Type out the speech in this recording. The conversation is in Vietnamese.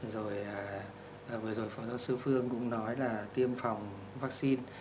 rồi vừa rồi phó giáo sư phương cũng nói là tiêm phòng vaccine